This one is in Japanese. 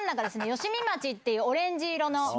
吉見町っていうオレンジ色の。